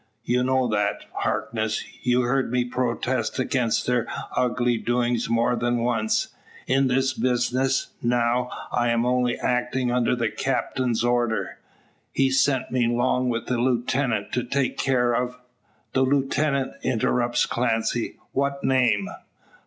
You know that, Harkness? You heard me protest against their ugly doin's more than once. In this business, now, I'm only actin' under the captin's order. He sent me 'long with the lootenant to take care of " "The lieutenant!" interrupts Clancy. "What name?"